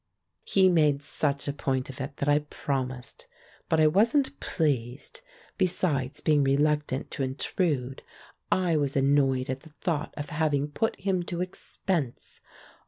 He made such a point of it that I promised. But I wasn't pleased. Besides being reluctant to intrude, I was annoyed at the thought of having put him to expense.